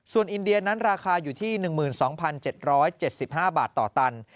ส่วนอินเดียนั้นราคาอยู่ที่๑๒๗๗๕บาทต่อตัน